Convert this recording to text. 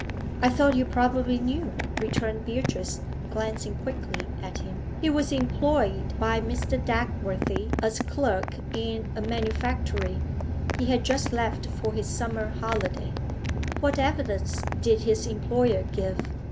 'I thought you probably knew,' returned Beatrice, glancing quickly at him. 'He was employed by Mr. Dagworthy as clerk in a manufactory. He had just left for his summer holiday.' 'What evidence did his employer give?'